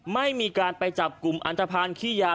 ไม่มีการไปจับกลุ่มอันตภัณฑ์ขี้ยา